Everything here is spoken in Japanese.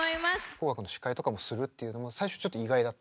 「紅白」の司会とかもするっていうのも最初ちょっと意外だった。